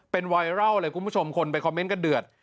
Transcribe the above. เป็นไวรัลเลยคุณผู้ชมคนไปคอมเมนต์กันเดือด